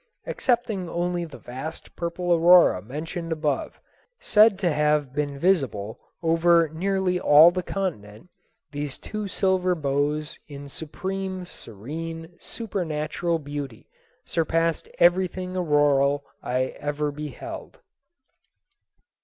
Excepting only the vast purple aurora mentioned above, said to have been visible over nearly all the continent, these two silver bows in supreme, serene, supernal beauty surpassed everything auroral I ever beheld.